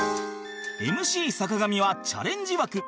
ＭＣ 坂上はチャレンジ枠